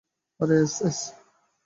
আরে, এস এস।